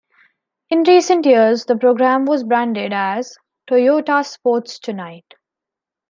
In recent years the program was branded as "Toyota Sports Tonight".